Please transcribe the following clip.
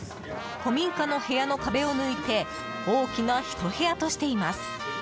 古民家の部屋の壁を抜いて大きな、ひと部屋としています。